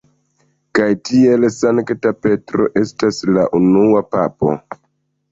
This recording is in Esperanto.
Kaj tiel Sankta Petro estas la unua papo.